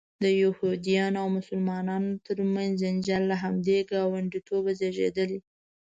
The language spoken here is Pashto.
د یهودانو او مسلمانانو ترمنځ جنجال له همدې ګاونډیتوبه زیږېدلی.